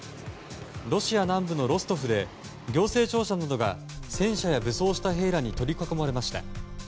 ロシア南部のロストフで行政庁舎などが戦車や武装した兵らに取り囲まれました。